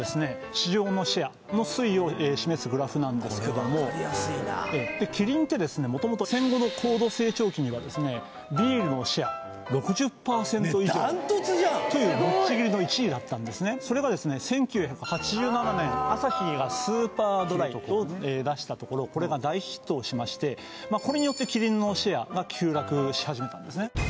市場のシェアの推移を示すグラフなんですけどもこれ分かりやすいなキリンってですね元々戦後のねえダントツじゃんというぶっちぎりの１位だったんですねそれがですね１９８７年アサヒがスーパードライを出したところこれが大ヒットをしましてこれによってキリンのシェアが急落し始めたんですね